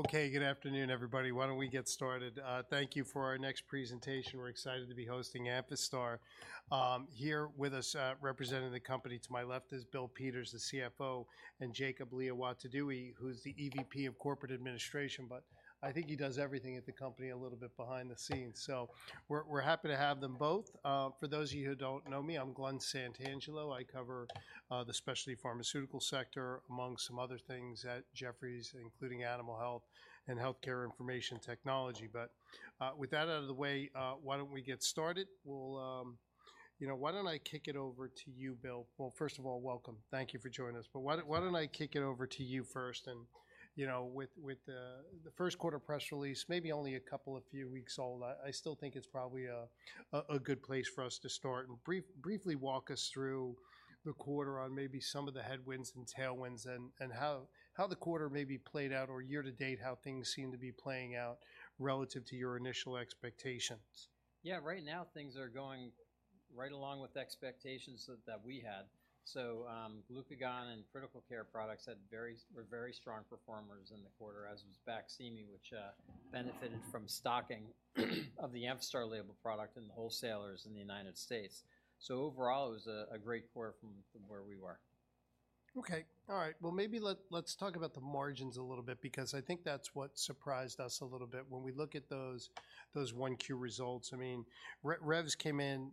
Okay, good afternoon, everybody. Why don't we get started? Thank you for our next presentation. We're excited to be hosting Amphastar. Here with us, representing the company, to my left is Bill Peters, the CFO, and Jacob Liawatidewi, who's the EVP of Corporate Administration, but I think he does everything at the company a little bit behind the scenes. So we're happy to have them both. For those of you who don't know me, I'm Glen Santangelo. I cover the specialty pharmaceutical sector, among some other things at Jefferies, including animal health and healthcare information technology. But with that out of the way, why don't we get started? You know, why don't I kick it over to you, Bill? Well, first of all, welcome. Thank you for joining us. But why don't I kick it over to you first? You know, with the first quarter press release, maybe only a couple of few weeks old, I still think it's probably a good place for us to start. Briefly walk us through the quarter on maybe some of the headwinds and tailwinds and how the quarter maybe played out or year to date, how things seem to be playing out relative to your initial expectations. Yeah, right now things are going right along with expectations that we had. So glucagon and critical care products had very strong performers in the quarter, as was Baqsimi, which benefited from stocking of the Amphastar label product in the wholesalers in the United States. So overall, it was a great quarter from where we were. Okay, all right. Well, maybe let's talk about the margins a little bit, because I think that's what surprised us a little bit when we look at those 1Q results. I mean, revs came in,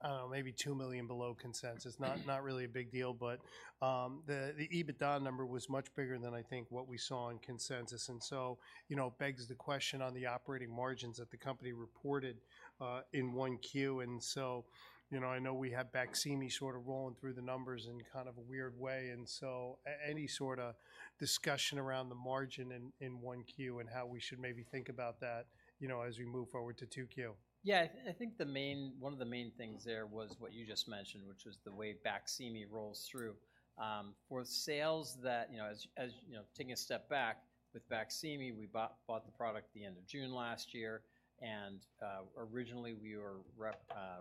I don't know, maybe $2 million below consensus. Not really a big deal, but the EBITDA number was much bigger than I think what we saw in consensus. And so, you know, I know we have Baqsimi sort of rolling through the numbers in kind of a weird way. And so any sort of discussion around the margin in 1Q and how we should maybe think about that, you know, as we move forward to 2Q. Yeah, I think the main, one of the main things there was what you just mentioned, which was the way Baqsimi rolls through. For sales that, you know, as, you know, taking a step back, with Baqsimi, we bought the product at the end of June last year. And originally we were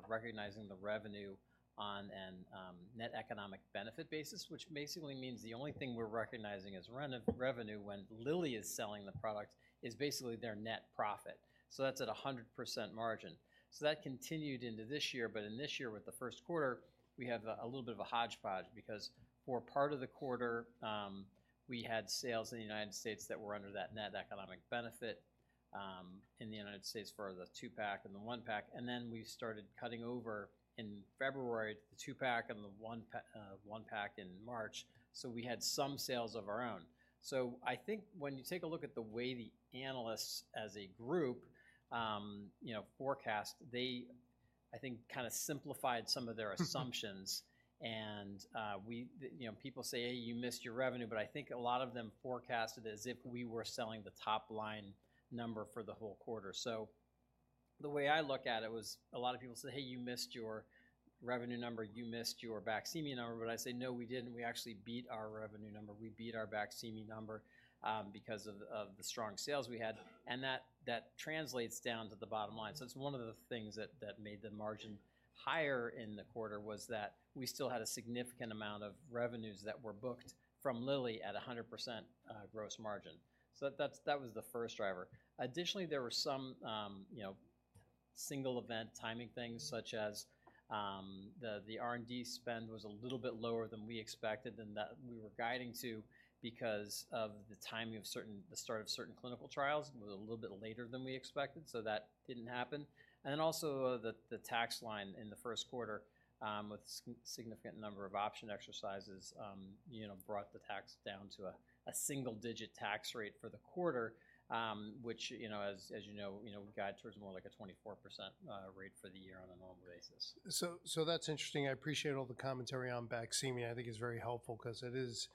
recognizing the revenue on a net economic benefit basis, which basically means the only thing we're recognizing as revenue when Lilly is selling the product is basically their net profit. So that's at 100% margin. So that continued into this year, but in this year with the first quarter, we have a little bit of a hodgepodge, because for part of the quarter, we had sales in the United States that were under that net economic benefit in the United States for the two pack and the one pack. And then we started cutting over in February to the two pack and the one pack in March. So we had some sales of our own. So I think when you take a look at the way the analysts as a group, you know, forecast, they I think kind of simplified some of their assumptions. And we, you know, people say, hey, you missed your revenue, but I think a lot of them forecasted as if we were selling the top line number for the whole quarter. So the way I look at it was a lot of people say, hey, you missed your revenue number, you missed your Baqsimi number. But I say, no, we didn't. We actually beat our revenue number. We beat our Baqsimi number because of the strong sales we had. And that translates down to the bottom line. So it's one of the things that made the margin higher in the quarter was that we still had a significant amount of revenues that were booked from Lilly at 100% gross margin. So that was the first driver. Additionally, there were some, you know, single event timing things, such as the R&D spend was a little bit lower than we expected than that we were guiding to because of the timing of certain, the start of certain clinical trials was a little bit later than we expected. So that didn't happen. And then also the tax line in the first quarter with a significant number of option exercises, you know, brought the tax down to a single digit tax rate for the quarter, which, you know, as you know, you know, we guide towards more like a 24% rate for the year on a normal basis. So that's interesting. I appreciate all the commentary on Baqsimi. I think it's very helpful because it is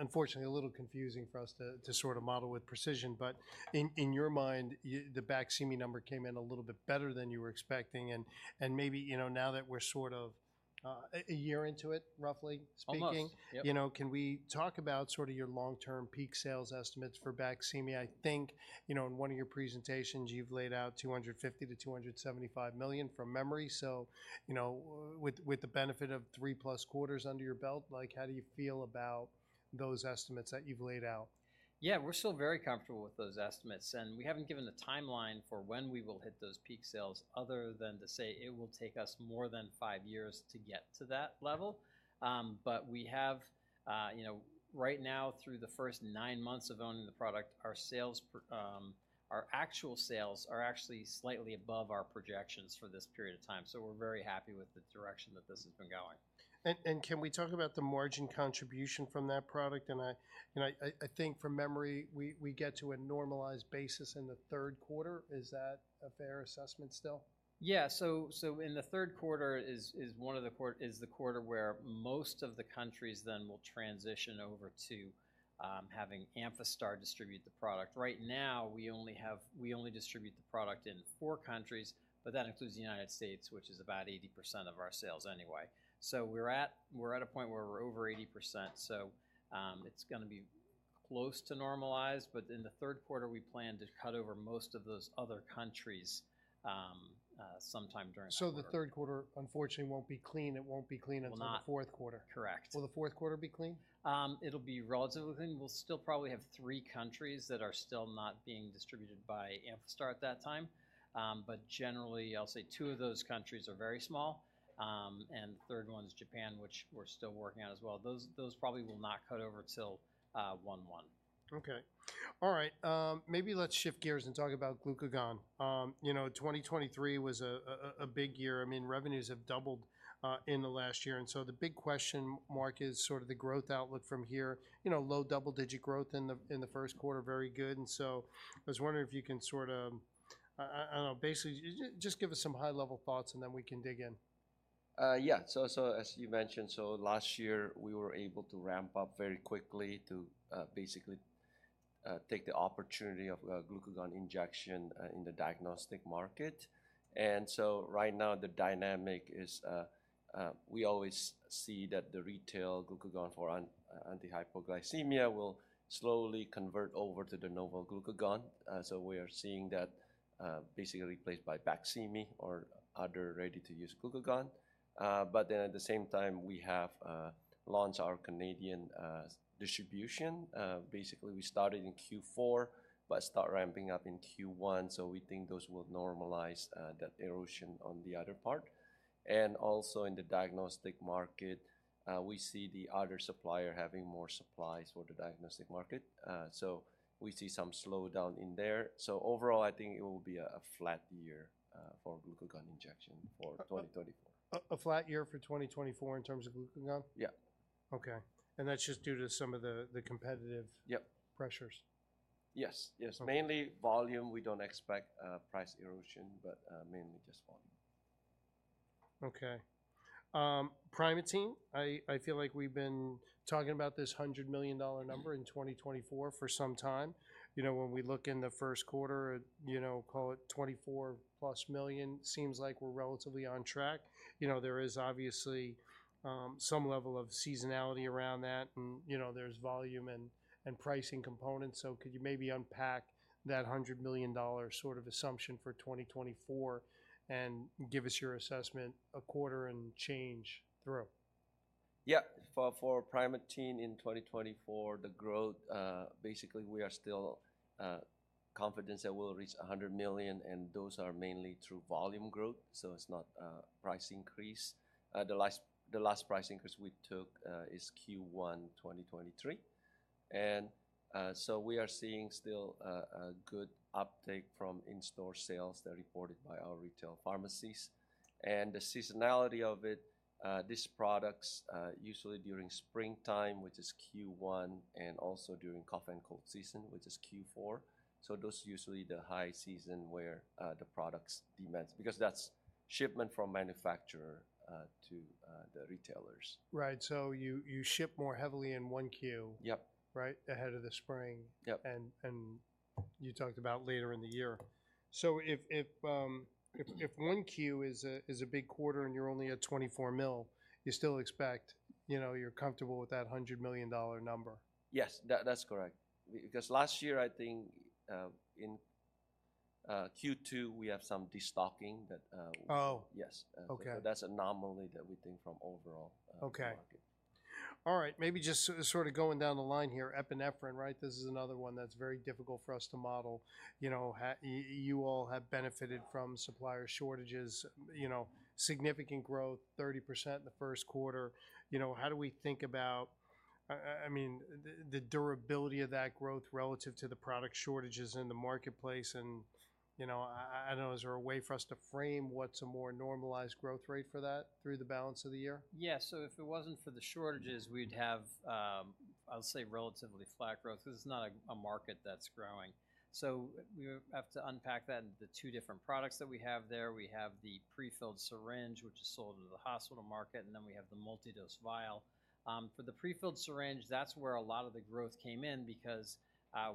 unfortunately a little confusing for us to sort of model with precision. But in your mind, the Baqsimi number came in a little bit better than you were expecting. And maybe, you know, now that we're sort of a year into it, roughly speaking, you know, can we talk about sort of your long-term peak sales estimates for Baqsimi? I think, you know, in one of your presentations, you've laid out $250 million-$275 million from memory. So, you know, with the benefit of three plus quarters under your belt, like how do you feel about those estimates that you've laid out? Yeah, we're still very comfortable with those estimates. And we haven't given a timeline for when we will hit those peak sales other than to say it will take us more than five years to get to that level. But we have, you know, right now through the first nine months of owning the product, our sales, our actual sales are actually slightly above our projections for this period of time. So we're very happy with the direction that this has been going. Can we talk about the margin contribution from that product? I think from memory, we get to a normalized basis in the third quarter. Is that a fair assessment still? Yeah, so in the third quarter is one of the quarters where most of the countries then will transition over to having Amphastar distribute the product. Right now, we only distribute the product in four countries, but that includes the United States, which is about 80% of our sales anyway. So we're at a point where we're over 80%. So it's going to be close to normalized, but in the third quarter, we plan to cut over most of those other countries sometime during the quarter. The third quarter, unfortunately, won't be clean. It won't be clean until the fourth quarter. Correct. Will the fourth quarter be clean? It'll be relatively clean. We'll still probably have three countries that are still not being distributed by Amphastar at that time. But generally, I'll say two of those countries are very small. And the third one is Japan, which we're still working on as well. Those probably will not cut over till 2011. Okay. All right. Maybe let's shift gears and talk about Glucagon. You know, 2023 was a big year. I mean, revenues have doubled in the last year. And so the big question mark, is sort of the growth outlook from here. You know, low double-digit growth in the first quarter, very good. And so I was wondering if you can sort of, I don't know, basically just give us some high-level thoughts and then we can dig in. Yeah, so as you mentioned, so last year we were able to ramp up very quickly to basically take the opportunity of Glucagon injection in the diagnostic market. And so right now the dynamic is we always see that the retail Glucagon for antihypoglycemia will slowly convert over to the Novo Glucagon. So we are seeing that basically replaced by Baqsimi or other ready-to-use Glucagon. But then at the same time, we have launched our Canadian distribution. Basically, we started in Q4, but start ramping up in Q1. So we think those will normalize that erosion on the other part. And also in the diagnostic market, we see the other supplier having more supplies for the diagnostic market. So we see some slowdown in there. So overall, I think it will be a flat year for Glucagon injection for 2024. A flat year for 2024 in terms of Glucagon? Yeah. Okay. That's just due to some of the competitive pressures? Yes, yes. Mainly volume. We don't expect price erosion, but mainly just volume. Okay. Primatene, I feel like we've been talking about this $100 million number in 2024 for some time. You know, when we look in the first quarter, you know, call it +$24 million, seems like we're relatively on track. You know, there is obviously some level of seasonality around that. And, you know, there's volume and pricing components. So could you maybe unpack that $100 million sort of assumption for 2024 and give us your assessment a quarter and change through? Yeah, for Primatene in 2024, the growth, basically we are still confident that we'll reach $100 million. And those are mainly through volume growth. So it's not a price increase. The last price increase we took is Q1 2023. And so we are seeing still a good uptake from in-store sales that are reported by our retail pharmacies. And the seasonality of it, these products usually during springtime, which is Q1, and also during cough and cold season, which is Q4. So those are usually the high season where the products demand because that's shipment from manufacturer to the retailers. Right. So you ship more heavily in one Q, right, ahead of the spring. And you talked about later in the year. So if 1Q is a big quarter and you're only at $24 million, you still expect, you know, you're comfortable with that $100 million number? Yes, that's correct. Because last year, I think in Q2, we have some destocking that. Oh. Yes. That's an anomaly that we think from overall market. All right. Maybe just sort of going down the line here, epinephrine, right? This is another one that's very difficult for us to model. You know, you all have benefited from supplier shortages, you know, significant growth, 30% in the first quarter. You know, how do we think about, I mean, the durability of that growth relative to the product shortages in the marketplace? And, you know, I don't know, is there a way for us to frame what's a more normalized growth rate for that through the balance of the year? Yeah, so if it wasn't for the shortages, we'd have, I'll say, relatively flat growth because it's not a market that's growing. So we have to unpack that in the two different products that we have there. We have the prefilled syringe, which is sold to the hospital market, and then we have the multidose vial. For the prefilled syringe, that's where a lot of the growth came in because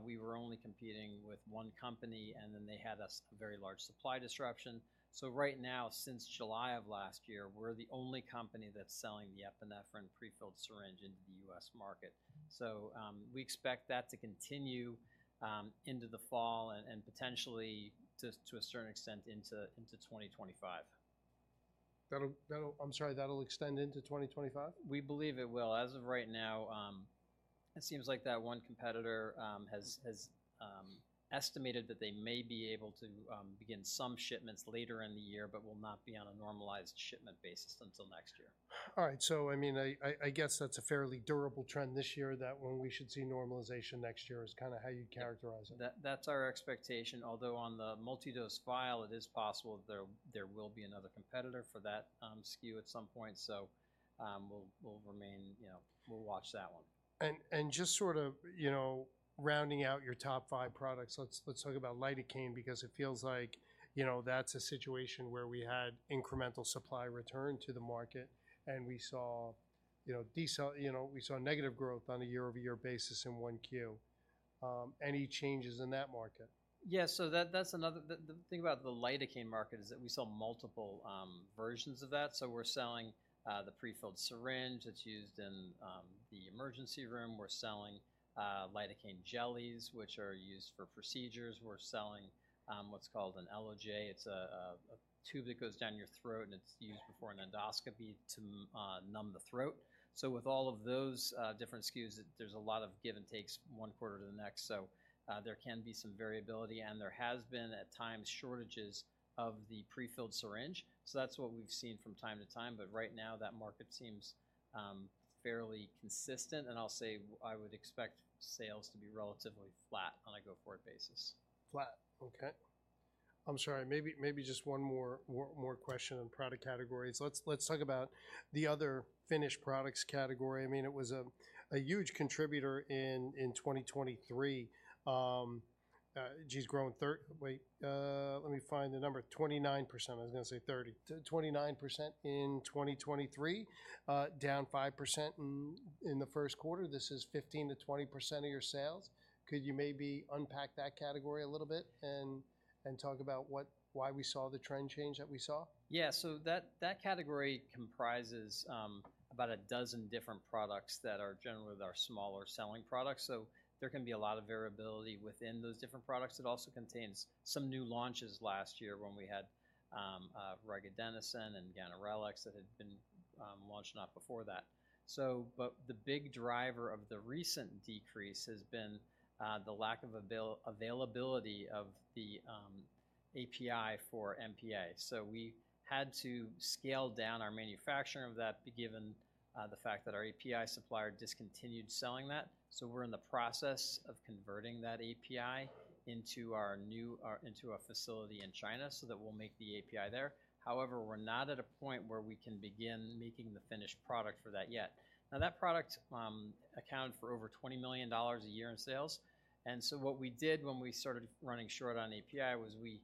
we were only competing with one company and then they had a very large supply disruption. So right now, since July of last year, we're the only company that's selling the epinephrine prefilled syringe into the U.S. market. So we expect that to continue into the fall and potentially to a certain extent into 2025. I'm sorry, that'll extend into 2025? We believe it will. As of right now, it seems like that one competitor has estimated that they may be able to begin some shipments later in the year, but will not be on a normalized shipment basis until next year. All right. So, I mean, I guess that's a fairly durable trend this year that when we should see normalization next year is kind of how you characterize it. That's our expectation. Although on the multidose vial, it is possible that there will be another competitor for that SKU at some point. So we'll remain, you know, we'll watch that one. Just sort of, you know, rounding out your top five products, let's talk about Lidocaine because it feels like, you know, that's a situation where we had incremental supply return to the market and we saw, you know, we saw negative growth on a year-over-year basis in 1Q. Any changes in that market? Yeah, so that's another thing about the lidocaine market is that we saw multiple versions of that. So we're selling the prefilled syringe that's used in the emergency room. We're selling lidocaine jellies, which are used for procedures. We're selling what's called an LOJ. It's a tube that goes down your throat and it's used before an endoscopy to numb the throat. So with all of those different SKUs, there's a lot of give and take one quarter to the next. So there can be some variability and there has been at times shortages of the prefilled syringe. So that's what we've seen from time to time. But right now, that market seems fairly consistent. And I'll say I would expect sales to be relatively flat on a go-forward basis. Flat. Okay. I'm sorry, maybe just one more question on product categories. Let's talk about the other finished products category. I mean, it was a huge contributor in 2023. Geez, growing 30, wait, let me find the number, 29%. I was going to say 30, 29% in 2023, down 5% in the first quarter. This is 15%-20% of your sales. Could you maybe unpack that category a little bit and talk about why we saw the trend change that we saw? Yeah, so that category comprises about a dozen different products that are generally our smaller selling products. So there can be a lot of variability within those different products. It also contains some new launches last year when we had regadenoson and ganirelix that had been launched not before that. So, but the big driver of the recent decrease has been the lack of availability of the API for MPA. So we had to scale down our manufacturing of that given the fact that our API supplier discontinued selling that. So we're in the process of converting that API into a facility in China so that we'll make the API there. However, we're not at a point where we can begin making the finished product for that yet. Now that product accounted for over $20 million a year in sales. What we did when we started running short on API was we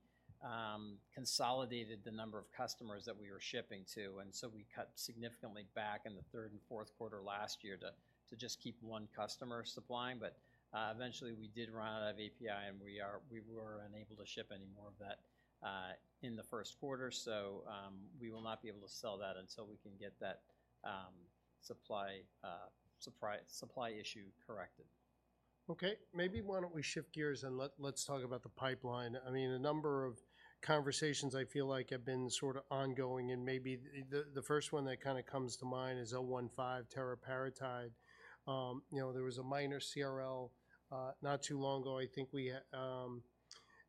consolidated the number of customers that we were shipping to. We cut significantly back in the third and fourth quarter last year to just keep one customer supplying. Eventually we did run out of API and we were unable to ship any more of that in the first quarter. We will not be able to sell that until we can get that supply issue corrected. Okay. Maybe why don't we shift gears and let's talk about the pipeline. I mean, a number of conversations I feel like have been sort of ongoing. And maybe the first one that kind of comes to mind is AMP-015 teriparatide. You know, there was a minor CRL not too long ago. I think we,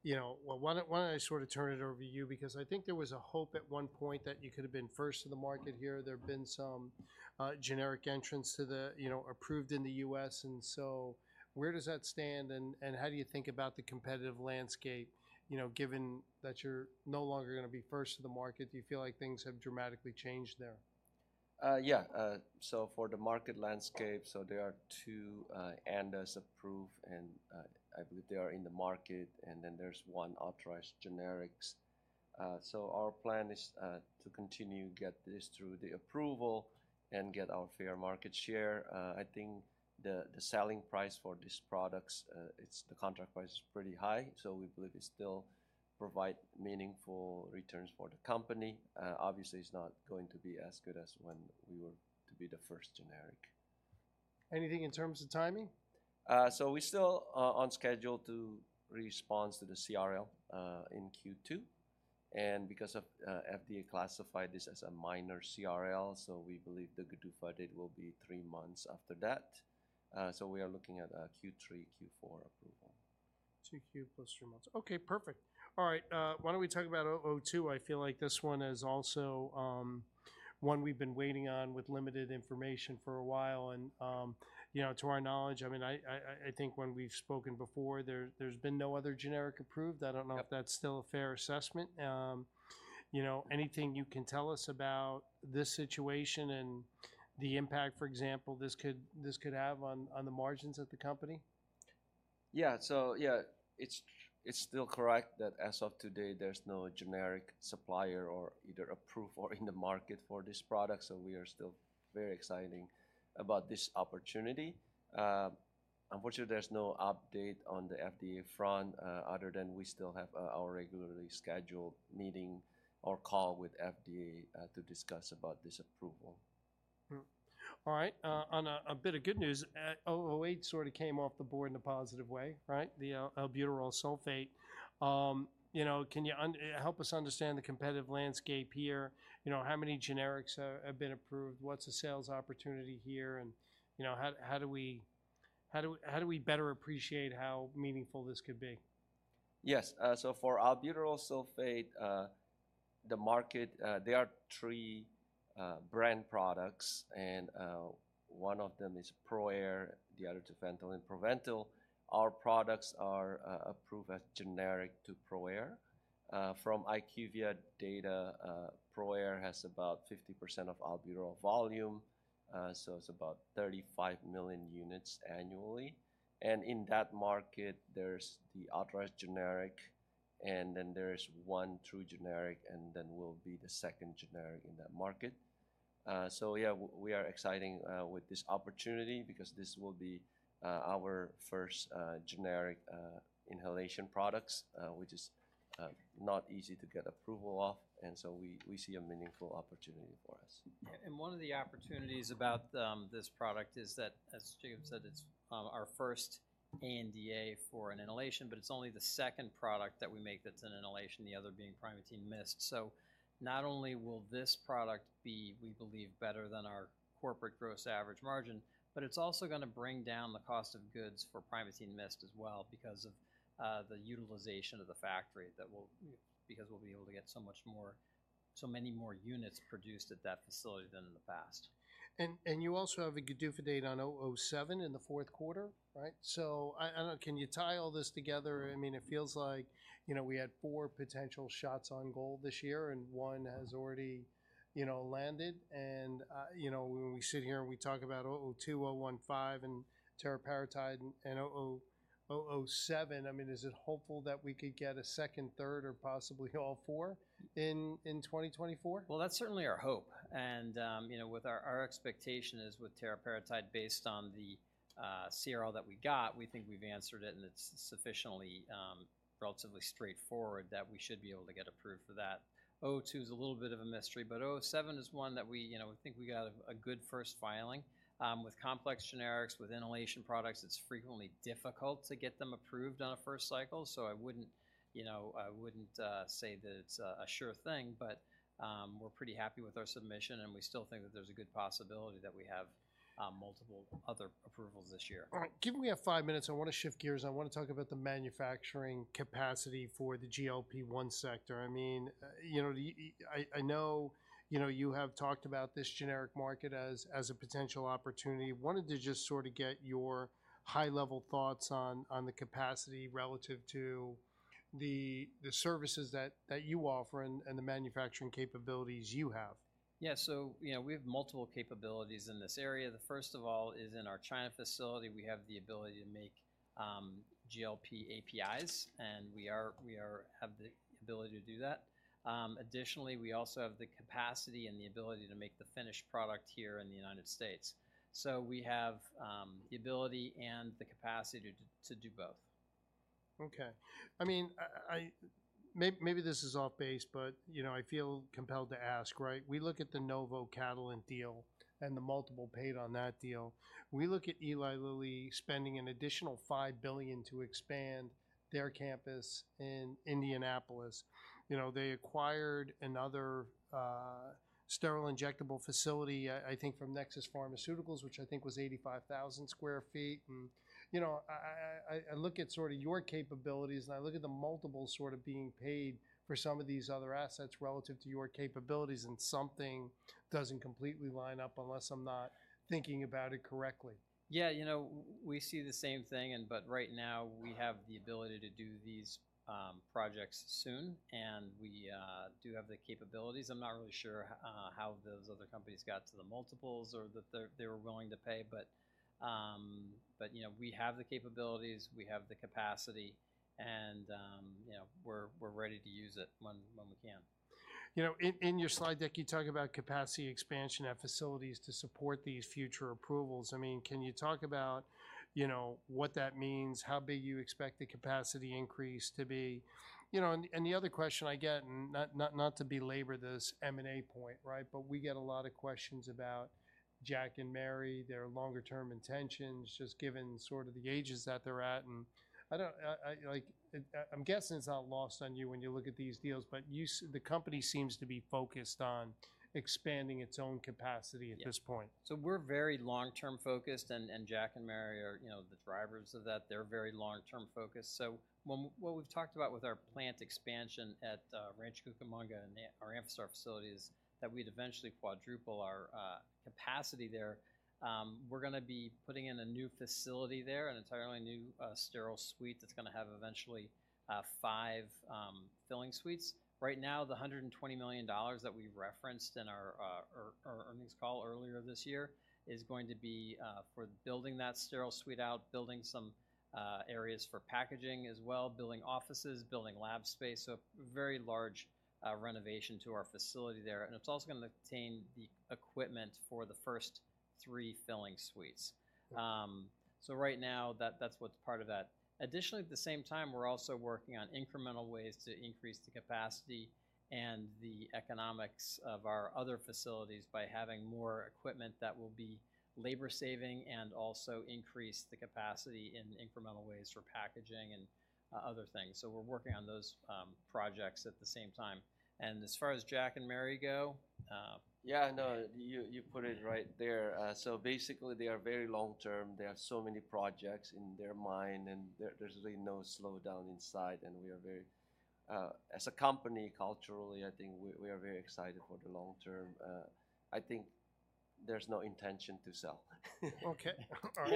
you know, why don't I sort of turn it over to you because I think there was a hope at one point that you could have been first to the market here. There have been some generic entrants to the, you know, approved in the U.S. And so where does that stand? And how do you think about the competitive landscape, you know, given that you're no longer going to be first to the market? Do you feel like things have dramatically changed there? Yeah. So for the market landscape, there are two ANDAs approved and I believe they are in the market. And then there's one authorized generic. So our plan is to continue to get this through the approval and get our fair market share. I think the selling price for these products, it's the contract price is pretty high. So we believe it still provides meaningful returns for the company. Obviously, it's not going to be as good as when we were to be the first generic. Anything in terms of timing? We're still on schedule to respond to the CRL in Q2. Because FDA classified this as a minor CRL, so we believe the GDUFA date will be three months after that. We are looking at Q3, Q4 approval. 2Q plus three months. Okay, perfect. All right. Why don't we talk about '02? I feel like this one is also one we've been waiting on with limited information for a while. And, you know, to our knowledge, I mean, I think when we've spoken before, there's been no other generic approved. I don't know if that's still a fair assessment. You know, anything you can tell us about this situation and the impact, for example, this could have on the margins at the company? Yeah. So, yeah, it's still correct that as of today, there's no generic supplier or either approved or in the market for this product. So we are still very excited about this opportunity. Unfortunately, there's no update on the FDA front other than we still have our regularly scheduled meeting or call with FDA to discuss about this approval. All right. On a bit of good news, AMP-008 sort of came off the board in a positive way, right? The albuterol sulfate. You know, can you help us understand the competitive landscape here? You know, how many generics have been approved? What's the sales opportunity here? And, you know, how do we better appreciate how meaningful this could be? Yes. So for Albuterol Sulfate, the market, there are three brand products. And one of them is ProAir, the other two Ventolin and Proventil. Our products are approved as generic to ProAir. From IQVIA data, ProAir has about 50% of albuterol volume. So it's about 35 million units annually. And in that market, there's the authorized generic. And then there's one true generic. And then we'll be the second generic in that market. So, yeah, we are excited with this opportunity because this will be our first generic inhalation products, which is not easy to get approval of. And so we see a meaningful opportunity for us. One of the opportunities about this product is that, as Jacob said, it's our first ANDA for an inhalation, but it's only the second product that we make that's an inhalation, the other being Primatene Mist. So not only will this product be, we believe, better than our corporate gross average margin, but it's also going to bring down the cost of goods for Primatene Mist as well because of the utilization of the factory that will, because we'll be able to get so much more, so many more units produced at that facility than in the past. You also have a GDUFA date on '07 in the fourth quarter, right? I don't know, can you tie all this together? I mean, it feels like, you know, we had four potential shots on goal this year and one has already, you know, landed. And, you know, when we sit here and we talk about '02, '01, '05 and teriparatide and '07, I mean, is it hopeful that we could get a second, third, or possibly all four in 2024? Well, that's certainly our hope. And, you know, with our expectation is with teriparatide based on the CRL that we got, we think we've answered it and it's sufficiently relatively straightforward that we should be able to get approved for that. '02 is a little bit of a mystery, but '07 is one that we, you know, think we got a good first filing with complex generics with inhalation products. It's frequently difficult to get them approved on a first cycle. So I wouldn't, you know, I wouldn't say that it's a sure thing, but we're pretty happy with our submission and we still think that there's a good possibility that we have multiple other approvals this year. All right. Give me five minutes. I want to shift gears. I want to talk about the manufacturing capacity for the GLP-1 sector. I mean, you know, I know, you know, you have talked about this generic market as a potential opportunity. Wanted to just sort of get your high-level thoughts on the capacity relative to the services that you offer and the manufacturing capabilities you have. Yeah. So, you know, we have multiple capabilities in this area. The first of all is in our China facility, we have the ability to make GLP APIs and we have the ability to do that. Additionally, we also have the capacity and the ability to make the finished product here in the United States. So we have the ability and the capacity to do both. Okay. I mean, maybe this is off base, but, you know, I feel compelled to ask, right? We look at the Novo-Catalent deal and the multiple paid on that deal. We look at Eli Lilly spending an additional $5 billion to expand their campus in Indianapolis. You know, they acquired another sterile injectable facility, I think from Nexus Pharmaceuticals, which I think was 85,000 sq ft. And, you know, I look at sort of your capabilities and I look at the multiple sort of being paid for some of these other assets relative to your capabilities and something doesn't completely line up unless I'm not thinking about it correctly. Yeah, you know, we see the same thing. But right now we have the ability to do these projects soon and we do have the capabilities. I'm not really sure how those other companies got to the multiples or that they were willing to pay. But, you know, we have the capabilities, we have the capacity and, you know, we're ready to use it when we can. You know, in your slide deck, you talk about capacity expansion at facilities to support these future approvals. I mean, can you talk about, you know, what that means, how big you expect the capacity increase to be? You know, and the other question I get, and not to be labor this M&A point, right, but we get a lot of questions about Jack and Mary, their longer-term intentions, just given sort of the ages that they're at. And I don't, like I'm guessing it's not lost on you when you look at these deals, but the company seems to be focused on expanding its own capacity at this point. So we're very long-term focused and Jack and Mary are, you know, the drivers of that. They're very long-term focused. So what we've talked about with our plant expansion at Rancho Cucamonga and our Amphastar facility is that we'd eventually quadruple our capacity there. We're going to be putting in a new facility there, an entirely new sterile suite that's going to have eventually five filling suites. Right now, the $120 million that we referenced in our earnings call earlier this year is going to be for building that sterile suite out, building some areas for packaging as well, building offices, building lab space. So a very large renovation to our facility there. And it's also going to attain the equipment for the first three filling suites. So right now that's what's part of that. Additionally, at the same time, we're also working on incremental ways to increase the capacity and the economics of our other facilities by having more equipment that will be labor-saving and also increase the capacity in incremental ways for packaging and other things. So we're working on those projects at the same time. As far as Jack and Mary go. Yeah, no, you put it right there. So basically they are very long-term. There are so many projects in their mind and there's really no slowdown inside. And we are very, as a company, culturally, I think we are very excited for the long-term. I think there's no intention to sell. Okay. All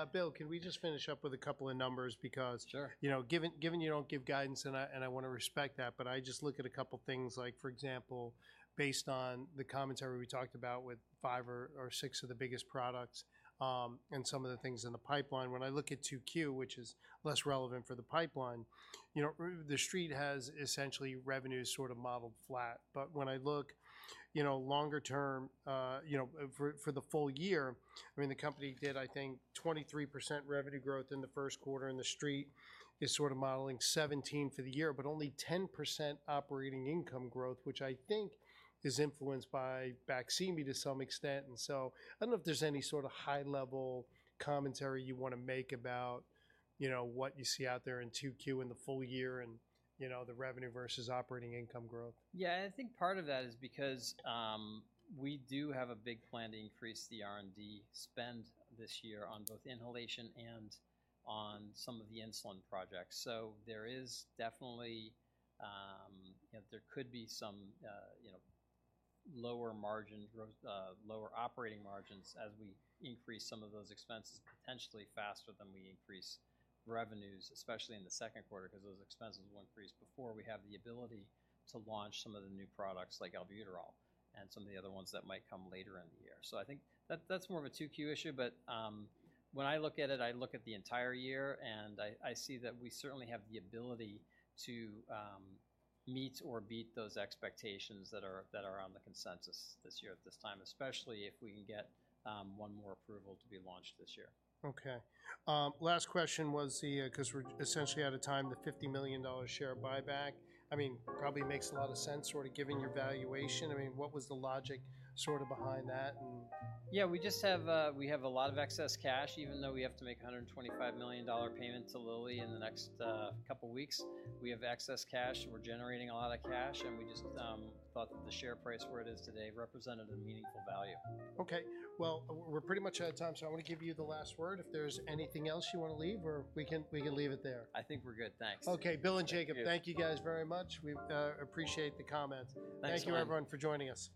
right. Bill, can we just finish up with a couple of numbers because, you know, given you don't give guidance and I want to respect that, but I just look at a couple of things like, for example, based on the commentary we talked about with 5 or 6 of the biggest products and some of the things in the pipeline. When I look at 2Q, which is less relevant for the pipeline, you know, the street has essentially revenues sort of modeled flat. But when I look, you know, longer-term, you know, for the full year, I mean, the company did, I think, 23% revenue growth in the first quarter and the street is sort of modeling 17% for the year, but only 10% operating income growth, which I think is influenced by vaccine to some extent. I don't know if there's any sort of high-level commentary you want to make about, you know, what you see out there in 2Q in the full year and, you know, the revenue versus operating income growth? Yeah, I think part of that is because we do have a big plan to increase the R&D spend this year on both inhalation and on some of the insulin projects. So there is definitely, you know, there could be some, you know, lower margins, lower operating margins as we increase some of those expenses potentially faster than we increase revenues, especially in the second quarter because those expenses will increase before we have the ability to launch some of the new products like albuterol and some of the other ones that might come later in the year. So I think that's more of a 2Q issue. But when I look at it, I look at the entire year and I see that we certainly have the ability to meet or beat those expectations that are on the consensus this year at this time, especially if we can get one more approval to be launched this year. Okay. Last question was the, because we're essentially out of time, the $50 million share buyback, I mean, probably makes a lot of sense sort of given your valuation. I mean, what was the logic sort of behind that? Yeah, we just have, we have a lot of excess cash, even though we have to make $125 million payment to Lilly in the next couple of weeks. We have excess cash. We're generating a lot of cash. And we just thought that the share price where it is today represented a meaningful value. Okay. Well, we're pretty much out of time. So I want to give you the last word if there's anything else you want to leave or we can leave it there. I think we're good. Thanks. Okay. Bill and Jacob, thank you guys very much. We appreciate the comments. Thanks for coming. Thank you, everyone, for joining us.